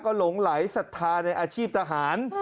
ก็หลงไหลศรัทธาในอาชีพทหาร